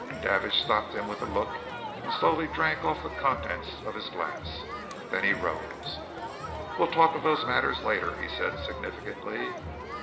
Davidge stopped him with a look, and slowly drank off the contents of his glass. Then he rose. "We'll talk of those matters later," he said significantly.